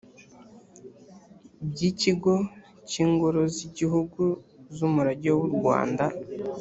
by ikigo cy ingoro z igihugu z umurage w urwanda